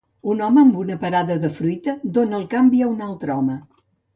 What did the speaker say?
Un home amb una parada de fruita dóna el canvi a un altre home.